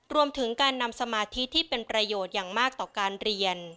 รวมถึงการนำสมาธิที่เป็นประโยชน์อย่างมากต่อการเรียน